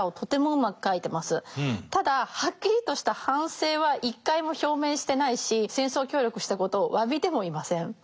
ただはっきりとした反省は一回も表明してないし戦争協力したことを詫びてもいません。